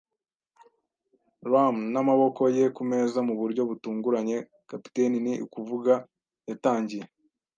rum, n'amaboko ye kumeza. Mu buryo butunguranye, - kapiteni, ni ukuvuga - yatangiye